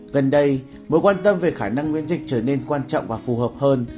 gần đây mối quan tâm về khả năng miễn dịch trở nên quan trọng và phù hợp hơn